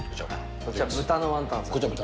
こちら豚のワンタン？